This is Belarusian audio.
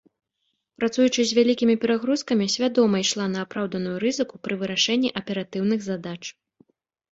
Працуючы з вялікімі перагрузкамі, свядома ішла на апраўданую рызыку пры вырашэнні аператыўных задач.